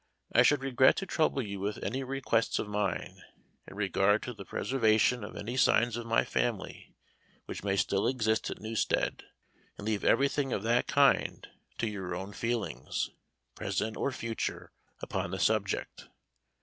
I should regret to trouble you with any requests of mine, in regard to the preservation of any signs of my family, which may still exist at Newstead, and leave everything of that kind to your own feelings, present or future, upon the subject.